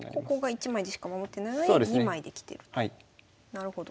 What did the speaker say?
なるほど。